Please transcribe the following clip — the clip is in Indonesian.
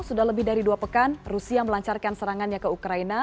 sudah lebih dari dua pekan rusia melancarkan serangannya ke ukraina